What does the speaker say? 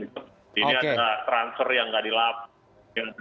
ini ada transfer yang gak dilapor